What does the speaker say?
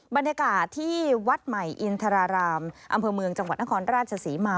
บรรยากาศที่วัดใหม่อินทรารามอำเภอเมืองจังหวัดนครราชศรีมา